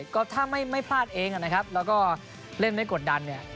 ก็ถ้าไม่พลาดเองนะครับแล้วก็เล่นไม่กดดันเนี่ย